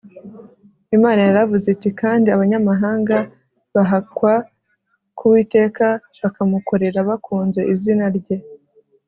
imana yaravuze iti kandi abanyamahanga bahakwa ku uwiteka bakamukorera bakunze izina rye